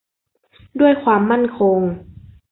ด้วยความมั่นคง